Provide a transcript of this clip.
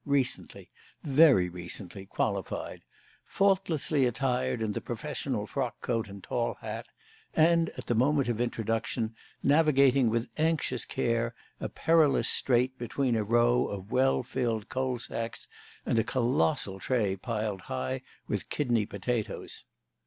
recently very recently qualified, faultlessly attired in the professional frock coat and tall hat, and, at the moment of introduction, navigating with anxious care a perilous strait between a row of well filled coal sacks and a colossal tray piled high with kidney potatoes.